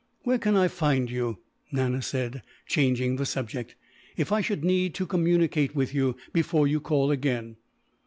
"Where can I find you," Nana said, changing the subject, "if I should need to communicate with you, before you call again?"